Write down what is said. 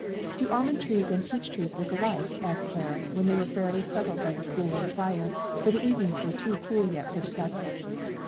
"Do almond trees and peach trees look alike?" asked Clara, when they were fairly settled by the schoolroom fire; for the evenings were too cool yet for the piazza.